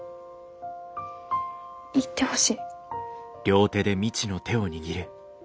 言ってほしい。